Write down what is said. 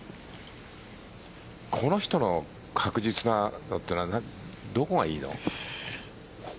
この人の確実なのっていうのはどこがいいの？